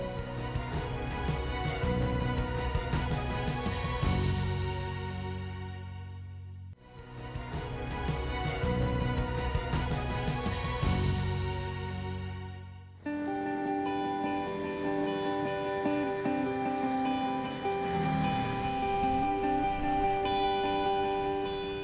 berdajab di pasaran